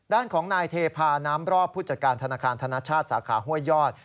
ด้านของนายเทพาน้ำรอบผู้จัดการธนาคารธนชาติสาขาห้วยยอด